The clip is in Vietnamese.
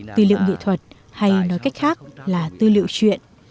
tư liệu nghệ thuật hay nói cách khác là tư liệu chuyện